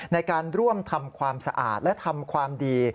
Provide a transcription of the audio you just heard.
ในการร่วมทำความสะอาดและทำความดี